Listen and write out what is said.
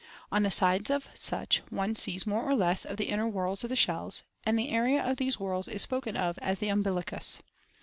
On the sides of such one sees more or less of the inner whorls of the shells, and the area of these whorls is spoken of as the umbilicus.